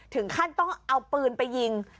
ถึงขั้นต้องเอาปืนไปยิง